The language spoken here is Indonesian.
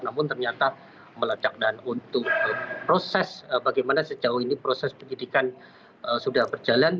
namun ternyata meledak dan untuk proses bagaimana sejauh ini proses penyidikan sudah berjalan